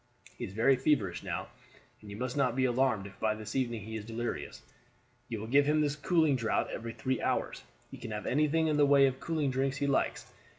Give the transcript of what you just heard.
He is very feverish now, and you must not be alarmed if by this evening he is delirious. You will give him this cooling draught every three hours; he can have anything in the way of cooling drinks he likes.